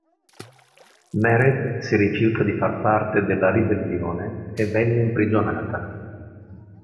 Meryl si rifiuta di far parte della ribellione e venne imprigionata.